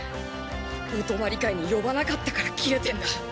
お泊まり会に呼ばなかったからキレてんだ。